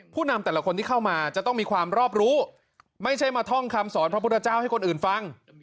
นำแต่ละคนที่เข้ามาจะต้องมีความรอบรู้ไม่ใช่มาท่องคำสอนพระพุทธเจ้าให้คนอื่นฟัง